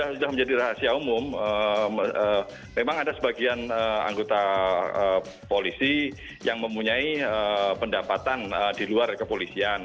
sudah menjadi rahasia umum memang ada sebagian anggota polisi yang mempunyai pendapatan di luar kepolisian